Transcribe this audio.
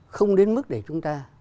không đến mức để chúng ta